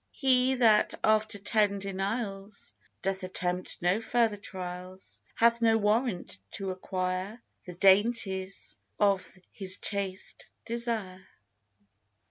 He that after ten denials Doth attempt no further trials, Hath no warrant to acquire The dainties of his chaste desire.